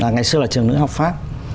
ngày xưa là trường nữ học pháp